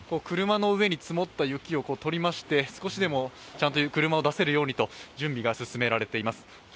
車の上に積もった雪を取りまして少しでもちゃんと車を出せるようにと準備が進められています。